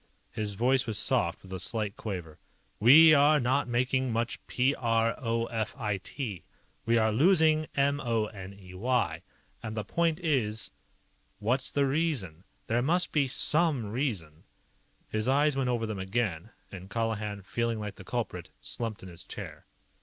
His voice was soft, with a slight quaver. "We are not making much p r o f i t. We are losing m o n e y. And the point is what's the reason? There must be some reason." His eyes went over them again, and Colihan, feeling like the culprit, slumped in his chair.